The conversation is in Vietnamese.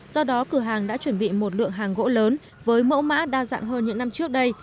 do đó cửa hàng đã chuẩn bị một lượng hàng gỗ lớn với mẫu mã đa dạng hơn những năm trước đây